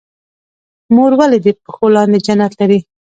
مور ولې د پښو لاندې جنت لري؟